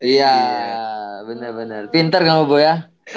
iya bener bener pinter kamu bu ya